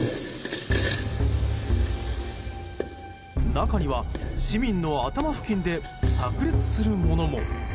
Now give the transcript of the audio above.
中には、市民の頭付近で炸裂するものも。